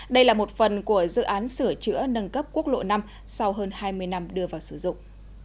đây là một phần của dự án sửa chữa nâng cấp quốc lộ năm sau hơn hai mươi năm đưa vào sử dụng